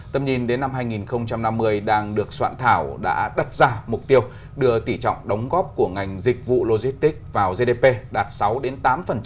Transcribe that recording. tầm nhìn đến năm hai nghìn năm mươi đang được soạn thảo đã đặt ra mục tiêu đưa tỉ trọng đóng góp của ngành dịch vụ logistics vào gdp đạt sáu tám